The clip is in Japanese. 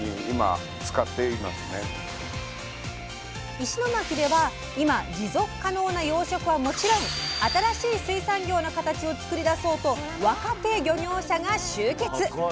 石巻では今持続可能な養殖はもちろん新しい水産業のカタチを作り出そうと若手漁業者が集結！